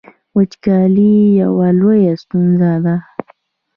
وچکالي یوه لویه ستونزه ده